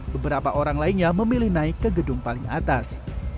beberapa orang lainnya memilih naik ke gedung paling atas